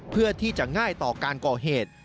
เพื่อที่จะง่ายต่อการก่อเหตุ